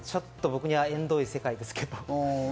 僕には縁遠い世界ですけど。